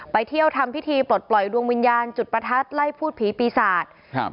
ไปเที่ยวทำพิธีปลดปล่อยดวงวิญญาณจุดประทัดไล่พูดผีปีศาจครับ